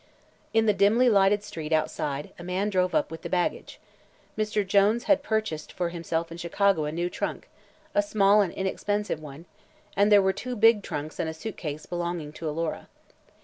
In the dimly lighted street outside a man drove up with the baggage. Mr. Jones had purchased for himself in Chicago a new trunk a small and inexpensive one and there were two big trunks and a suitcase belonging to Alora.